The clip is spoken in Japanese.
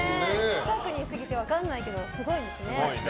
近くにいすぎて分かんないけどすごいんですね。